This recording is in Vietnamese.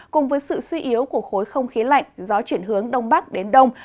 cùng với sự suy yếu của khối không khí lạnh gió chuyển hướng đông bắc đến đông